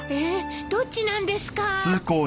えっどっちなんですか？